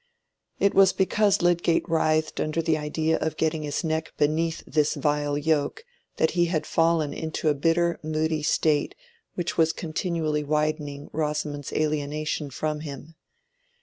It was because Lydgate writhed under the idea of getting his neck beneath this vile yoke that he had fallen into a bitter moody state which was continually widening Rosamond's alienation from him.